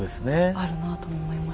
あるなあと思いましたね。